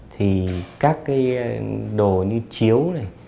thì các cái đồ như chiếu này